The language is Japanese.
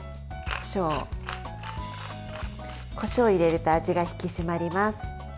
こしょうを入れると味が引き締まります。